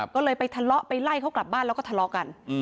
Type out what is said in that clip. ก็เลยไปทะเลาะไปไล่เขากลับบ้านแล้วก็ทะเลาะกัน